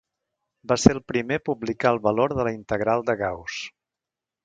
Va ser el primer a publicar el valor de la integral de Gauss.